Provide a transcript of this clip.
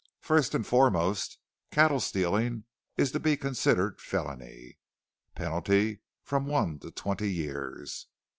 First and foremost, cattle stealing is to be considered felony! Penalty, from one to twenty years!